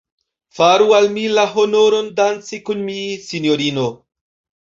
Faru al mi la honoron, danci kun mi, sinjorino.